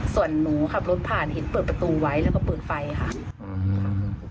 ส่วนหนูขับรถผ่านเห็นเปิดประตูไว้แล้วก็เปิดไฟค่ะ